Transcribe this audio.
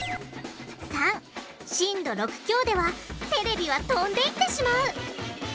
③震度６強ではテレビは飛んでいってしまう。